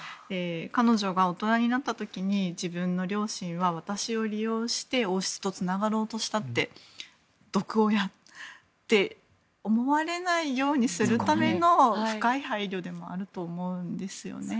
彼女が大人になった時に自分の両親は私を利用して王室とつながろうとしたって毒親って思われないようにするための深い配慮でもあると思うんですよね。